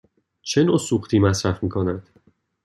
چه نوع سوختی مصرف می کند؟